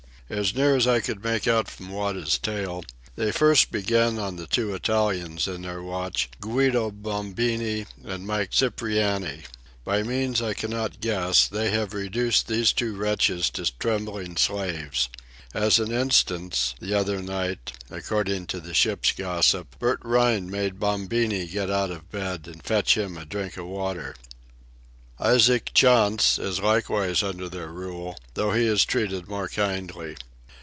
As near as I could make out from Wada's tale, they first began on the two Italians in their watch, Guido Bombini and Mike Cipriani. By means I cannot guess, they have reduced these two wretches to trembling slaves. As an instance, the other night, according to the ship's gossip, Bert Rhine made Bombini get out of bed and fetch him a drink of water. Isaac Chantz is likewise under their rule, though he is treated more kindly.